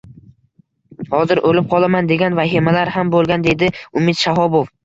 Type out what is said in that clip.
“Hozir o‘lib qolaman”, degan vahimalar ham bo‘lgan”, — deydi Umid Shahobov